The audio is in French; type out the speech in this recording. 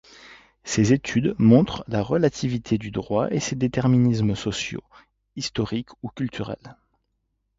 Ces études montrent la relativité du droit et ses déterminismes sociaux, historiques ou culturels.